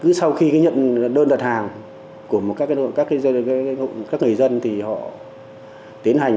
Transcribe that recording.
cứ sau khi nhận đơn đặt hàng của các người dân thì họ tiến hành